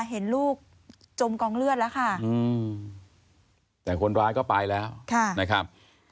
เห็นลูกจมกองเลือดแล้วค่ะแต่คนร้ายก็ไปแล้วนะครับ